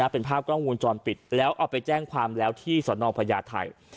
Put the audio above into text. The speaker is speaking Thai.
เป็นภาพกล้องวงจรปิดแล้วเอาไปแจ้งความแล้วที่สนพญาไทย